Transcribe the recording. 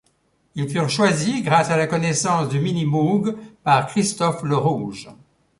Ils furent choisis grâce à la connaissance du Minimoog par Christophe Lerouge.